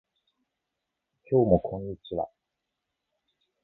今日もこんにちは